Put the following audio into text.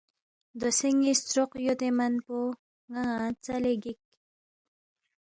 دوسے ن٘ی ستروق یودے من پو نہ ن٘ا ژَلے گِک